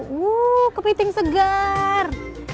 wuh kepiting segar